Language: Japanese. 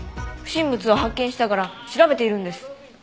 不審物を発見したから調べているんです。